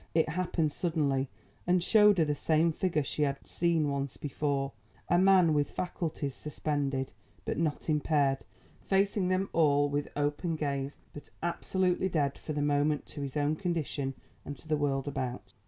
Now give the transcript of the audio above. It happened suddenly and showed her the same figure she had seen once before a man with faculties suspended, but not impaired, facing them all with open gaze but absolutely dead for the moment to his own condition and to the world about.